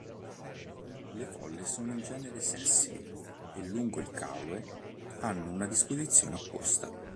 Le foglie sono in genere sessili e lungo il caule hanno una disposizione opposta.